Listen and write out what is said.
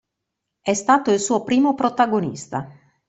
È stato il suo primo protagonista.